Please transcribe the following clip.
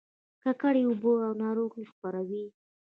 ککړې اوبه ناروغي خپروي